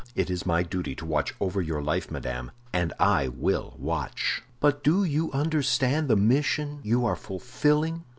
"It is my duty to watch over your life, madame, and I will watch." "But do you understand the mission you are fulfilling?